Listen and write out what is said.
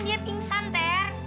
dia pingsan ter